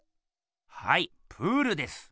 はいプールです。